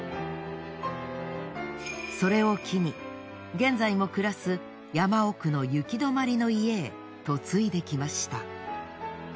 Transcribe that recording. それを機に現在も暮らす山奥の行き止まりの家へ嫁いできました。